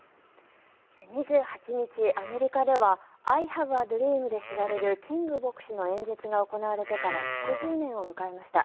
２８日、アメリカではアイ・ハブ・ア・ドリームで知られるキング牧師の演説が行われてから６０年を迎えました。